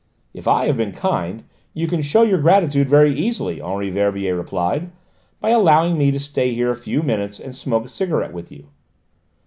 "If I have been kind, you can show your gratitude very easily," Henri Verbier replied: "by allowing me to stay here a few minutes and smoke a cigarette with you."